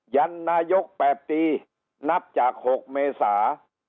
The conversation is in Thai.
ยันนายกแปบตีนับจากหกเมษา